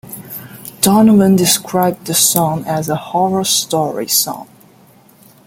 Donovan described the song as a "horror story song".